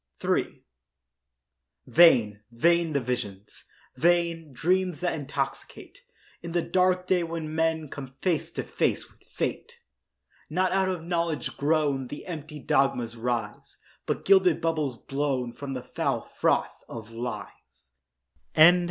III Vain, vain the visions—vain, Dreams that intoxicate In the dark day when men Come face to face with fate. Not out of knowledge grown The empty dogmas rise, But gilded bubbles blown From the foul froth of lies. Cease!